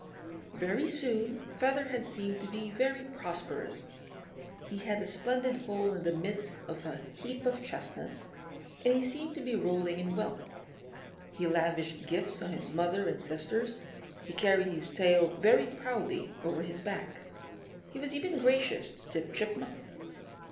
Very soon Featherhead seemed to be very prosperous. He had a splendid hole in the midst of a heap of chestnuts, and he seemed to be rolling in wealth. He lavished gifts on his mother and sisters; he carried his tail very proudly over his back. He was even gracious to Tip Chipmunk.